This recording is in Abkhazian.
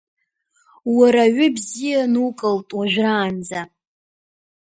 Уара аҩы бзиа нукылт уажәраанӡа.